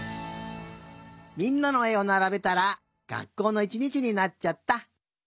みんなのえをならべたらがっこうのいちにちになっちゃった！